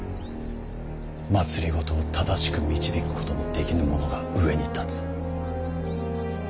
政を正しく導くことのできぬ者が上に立つ。